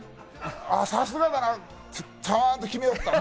あさすがだな、ちゃんと決めよったって。